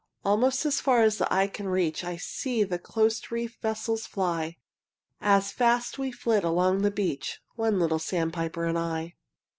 Almost as far as eye can reach I see the close reefed vessels fly, As fast we flit along the beach, One little sandpiper and I.